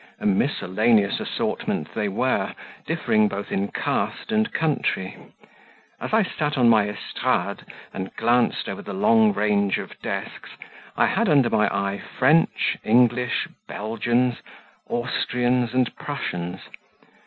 A miscellaneous assortment they were, differing both in caste and country; as I sat on my estrade and glanced over the long range of desks, I had under my eye French, English, Belgians, Austrians, and Prussians.